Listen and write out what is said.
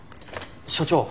所長